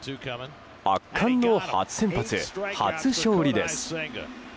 圧巻の初先発、初勝利です。